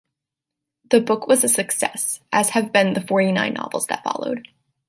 The book was a success, as have been the forty-nine novels that followed.